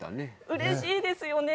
うれしいですね。